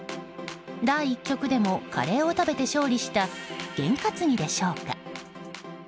第１局でもカレーを食べて勝利した験担ぎでしょうか。